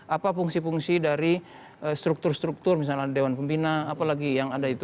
apa fungsi fungsi dari struktur struktur misalnya dewan pembina apalagi yang ada itu